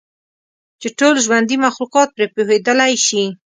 چې ټول ژوندي مخلوقات پرې پوهیدلی شي.